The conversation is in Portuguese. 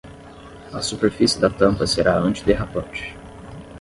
A superfície da tampa será antiderrapante.